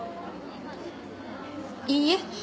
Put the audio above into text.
いいえ。